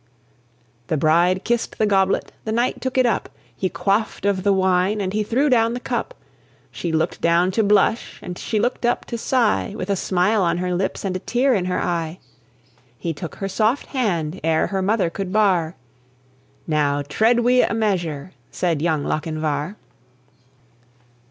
The bride kissed the goblet; the knight took it up; He quaffed of the wine, and he threw down the cup. She looked down to blush, and she looked up to sigh, With a smile on her lips and a tear in her eye. He took her soft hand ere her mother could bar, "Now tread we a measure!" said young Lochinvar.